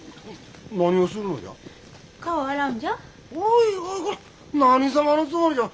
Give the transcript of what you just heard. おいおいこら何様のつもりじゃ。